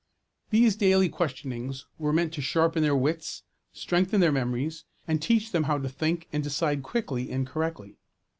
These daily questionings were meant to sharpen their wits, strengthen their memories, and teach them how to think and decide quickly and correctly.